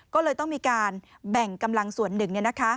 ก็เลยต้องมีการแบ่งกำลังส่วนหนึ่ง